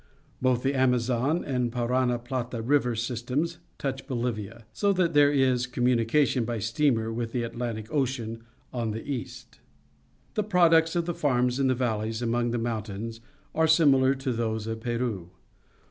Both the Amazon and Parana Plata River systems touch Bolivia, so that there is communication by steamer with the Atlantic Ocean on the east. The products of the farms in the valleys among the mountains are similar to those of Peru.